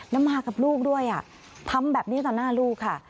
แล้วมากับลูกด้วยทำแบบนี้ต่อหน้าลูกค่ะ